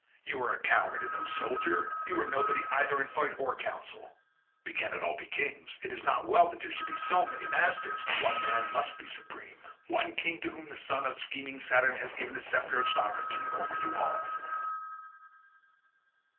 You are a coward and no soldier; you are nobody either in fight or council; we cannot all be kings; it is not well that there should be many masters; one man must be supreme—one king to whom the son of scheming Saturn has given the sceptre of sovereignty over you all."